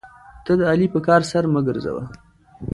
ته د علي په کار سر مه ګرځوه.